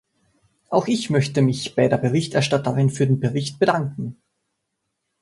Auch ich möchte mich bei der Berichterstatterin für den Bericht bedanken.